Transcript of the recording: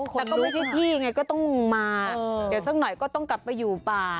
แต่ก็ไม่ใช่ที่ไงก็ต้องมาเดี๋ยวสักหน่อยก็ต้องกลับไปอยู่ป่า